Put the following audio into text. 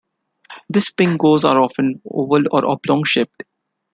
These pingos are often oval or oblong shaped.